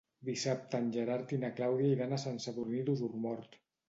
Dissabte en Gerard i na Clàudia iran a Sant Sadurní d'Osormort.